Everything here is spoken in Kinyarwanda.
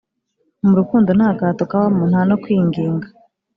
Murukundo ntagahato kabamo ntano kwingingaa